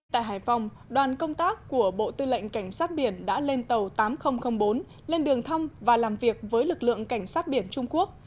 tại hải phòng đoàn công tác của bộ tư lệnh cảnh sát biển đã lên tàu tám nghìn bốn lên đường thăm và làm việc với lực lượng cảnh sát biển trung quốc